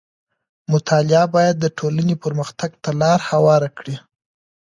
مطالعه بايد د ټولنې پرمختګ ته لار هواره کړي.